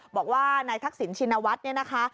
บอกว่าในทักศิลป์ชินวัฒน์เนี่ยนะคะ